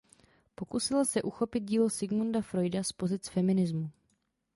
Pokusila se uchopit dílo Sigmunda Freuda z pozic feminismu.